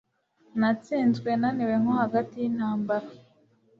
Natsinzwe naniwe nko hagati yintambara